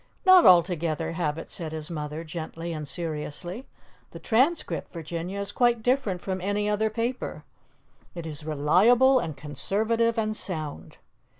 "Not altogether habit," said his mother, gently and seriously. "The Transcript, Virginia, is quite different from any other paper. It is reliable and conservative and sound."